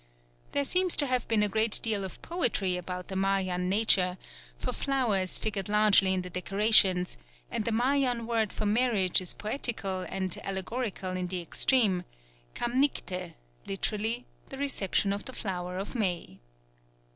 There seems to have been a great deal of poetry about the Mayan nature, for flowers figured largely in the decorations and the Mayan word for marriage is poetical and allegorical in the extreme: Kamnicte literally, "the reception of the flower of May."